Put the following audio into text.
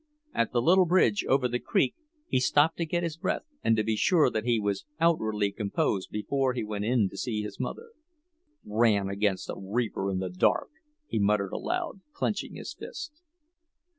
At the little bridge over the creek, he stopped to get his breath and to be sure that he was outwardly composed before he went in to see his mother. "Ran against a reaper in the dark!" he muttered aloud, clenching his fist.